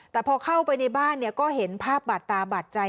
แต่พอเข้าไปในบ้านก็เห็นภาพบาดตาบาดใจ